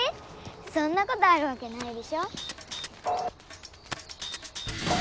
そんなことあるわけないでしょ。